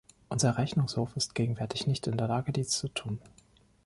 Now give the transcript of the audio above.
Unser Rechnungshof ist gegenwärtig nicht in der Lage, dies zu tun.